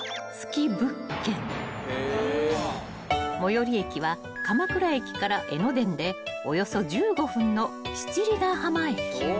［最寄り駅は鎌倉駅から江ノ電でおよそ１５分の七里ヶ浜駅］